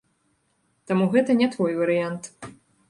Таму гэта не той варыянт.